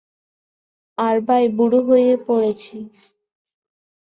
আর ভাই, বুড়ো হয়ে পড়েছি।